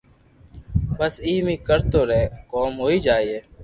بس ايم ھي ڪرتو رھي ڪوم ھوئي جائي